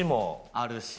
あるし。